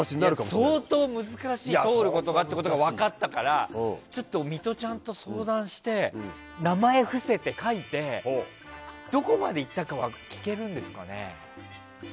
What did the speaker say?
相当、難しい通ることがっていうことが分かったからちょっとミトちゃんと相談して名前伏せて書いてどこまで行ったかは聞けるんですかね。